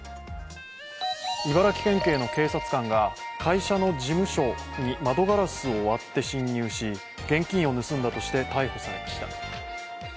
茨城県警の警察官が会社の事務所に窓ガラスを割って侵入し現金を盗んだとして逮捕されました。